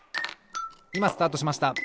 いまスタートしました！